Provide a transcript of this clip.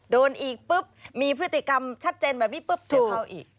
โดนอีกปุ๊บมีพฤติกรรมชัดเจนแบบนี้ปุ๊บจะเข้าอีก